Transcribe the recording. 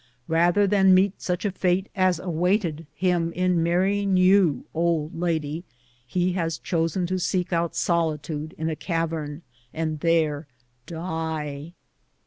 Rather than meet such a fate as awaited him in marrying you, old lady, he has chosen to seek out solitude in a cavern, and there die."